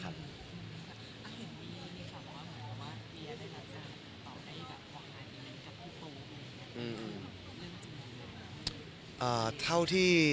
เท่าที่อัปเดตกันเมื่อวาน